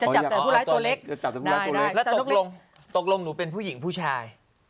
จับแต่ผู้ร้ายตัวเล็กจะจับแต่ผู้ร้ายตัวเล็กแล้วตกลงตกลงหนูเป็นผู้หญิงผู้ชาย